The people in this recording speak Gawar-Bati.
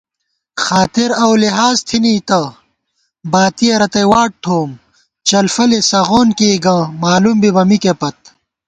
خاطر اؤ لحاظ تِھنی تہ باتِیَہ رتئ واٹ تھووُم * ڄلفَلے سغون کېئی گہ مالُوم بِبہ مِکے پت